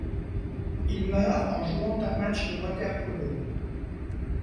Il meurt en jouant un match de water-polo.